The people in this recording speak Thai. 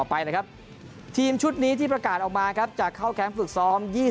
ไปนะครับทีมชุดนี้ที่ประกาศออกมาครับจะเข้าแคมป์ฝึกซ้อม